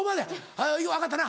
はい分かったな。